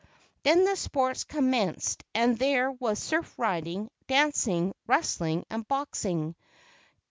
Then the sports commenced and there was surf riding, dancing, wrestling, and boxing.